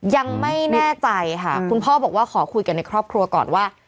ยังไม่แน่ใจค่ะคุณพ่อบอกว่าขอคุยกันในครอบครัวก่อนว่า